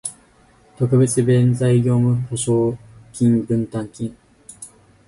特別弁済業務保証金分担金